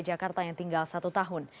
gubernur dki jakarta yang tinggal satu tahun